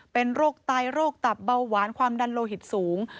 เป็นโรคไตโรคตับเบาหวานความดันโลหิตสูง